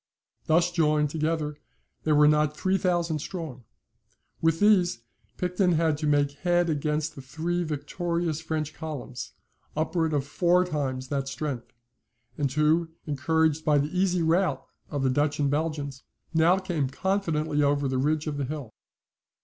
Thus joined together, they were not three thousand strong. With these Picton had to make head against the three victorious French columns, upwards of four times that strength, and who, encouraged by the easy rout of the Dutch and Belgians, now came confidently over the ridge of the hill.